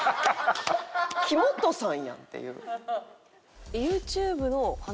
木本さんやん！っていう。